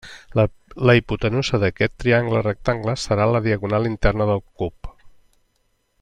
La hipotenusa d'aquest triangle rectangle serà la diagonal interna del cub.